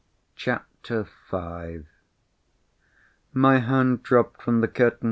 CHAPTER V My hand dropped from the curtain.